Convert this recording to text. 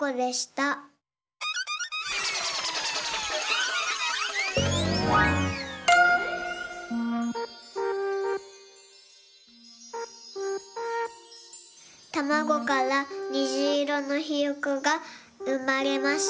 たまごからにじいろのひよこがうまれました。